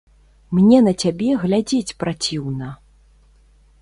Мне на цябе глядзець праціўна.